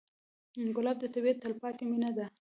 ګلاب د طبیعت تلپاتې مینه ده.